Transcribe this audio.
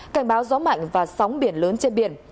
cảnh báo gió mạnh và sóng biển lớn trên biển